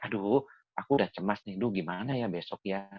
aduh aku udah cemas nih duh gimana ya besok ya